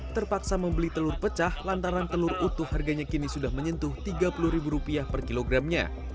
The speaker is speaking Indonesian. terpaksa membeli telur pecah lantaran telur utuh harganya kini sudah menyentuh rp tiga puluh per kilogramnya